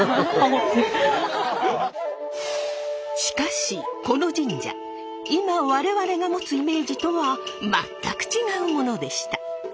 しかしこの神社今我々が持つイメージとは全く違うものでした。